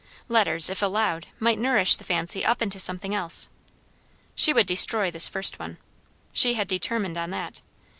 Letters, if allowed, might nourish the fancy up into something else. She would destroy this first one. She had determined on that.